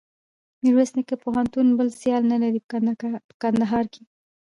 میرویس نیکه پوهنتون بل سیال نلري په کندهار کښي.